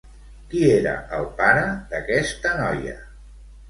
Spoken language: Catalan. Qui era el pare d'aquesta noia?